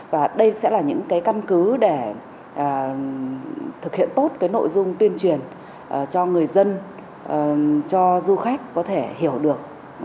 và đây sẽ là những cái căn cứ để thực hiện tốt cái nội dung tuyên truyền cho người dân cho du khách có thể hiểu được